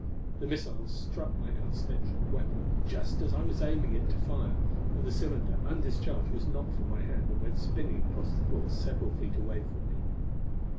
The missile struck my outstretched weapon just as I was aiming it to fire, and the cylinder, undischarged, was knocked from my hand and went spinning across the floor several feet away from me.